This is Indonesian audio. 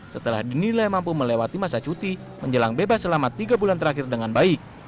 setelah dinilai mampu melewati masa cuti menjelang bebas selama tiga bulan terakhir dengan baik